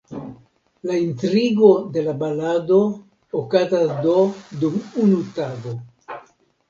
La intrigo de la balado okazas do dum unu tago.